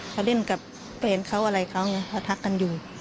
เขาเล่นกับเฟรร์เขาทักกันอยู่กัน